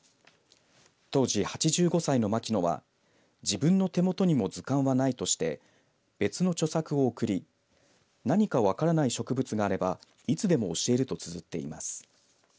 当時８５歳の牧野は自分の手元にも図鑑はないとして別の著作を送り何か分からない植物があればいつでも教えるとつづっています。